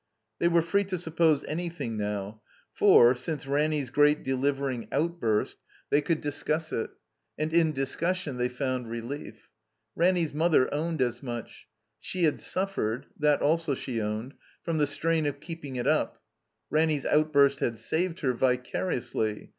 They were free to suppose anything now; for, since Raimy's great delivering outburst, they could 396 THE COMBINED MAZE discuss it; and in discussion they found relief. Ranny's mother owned as much. She had suffered (that also she owned) from the strain of keeping it up. Ranny's outburst had saved her, vicariously.